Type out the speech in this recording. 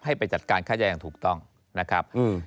ให้ไปจัดการค่าแย้งถูกต้องนะครับ